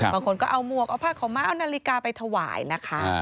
บางคนก็เอาหมวกเอาผ้าขาวม้าเอานาฬิกาไปถวายนะคะ